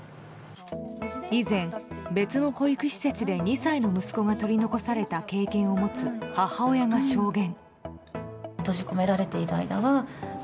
以前、別の保育施設で２歳の息子が取り残された経験を持つ母親が証言。